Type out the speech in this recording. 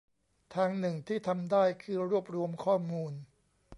ทางหนึ่งที่ทำได้ คือรวบรวมข้อมูล